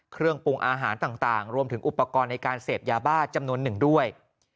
เครื่องปรุงอาหารต่างรวมถึงอุปกรณ์ในการเสพยาบ้าจำนวนหนึ่งด้วย